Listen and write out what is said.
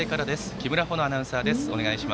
木村穂乃アナウンサーです。